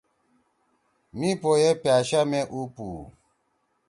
مِی پو ئے پأشا مے اُو پُوؤ۔